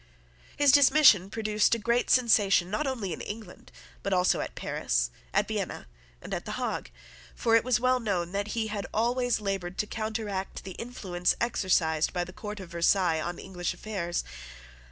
His dismission produced a great sensation not only in England, but also at Paris, at Vienna, and at the Hague: for it was well known, that he had always laboured to counteract the influence exercised by the court of Versailles on English affairs.